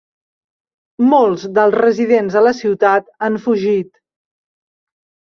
Molts dels residents de la ciutat han fugit.